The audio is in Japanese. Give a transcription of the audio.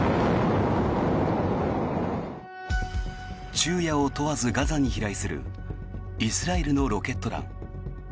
昼夜を問わずガサに飛来するイスラエルのロケット弾。